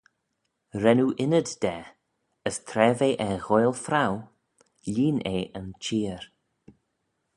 Ren oo ynnyd da: as tra ve er ghoaill fraue, lhieen eh yn cheer.